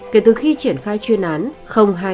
kể từ khi triển khai chuyên án